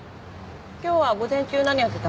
今日は午前中何やってたんですか？